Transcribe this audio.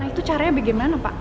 itu caranya bagaimana pak